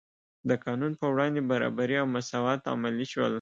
د قانون په وړاندې برابري او مساوات عملي شول.